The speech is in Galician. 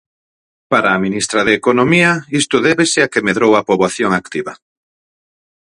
Para a ministra de Economía, isto débese a que medrou a poboación activa.